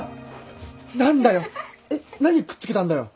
何だよえっ何くっつけたんだよ！？